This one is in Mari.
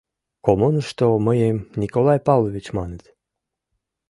— Коммунышто мыйым Николай Павлович маныт.